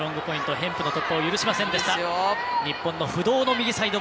ヘンプの突破を許しませんでした。